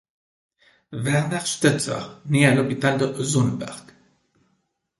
Werner Stötzer naît à l'hôpital de Sonneberg.